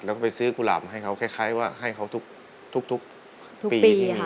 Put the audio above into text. แล้วก็ไปซื้อกุหลาบให้เขาคล้ายว่าให้เขาทุกปีที่มี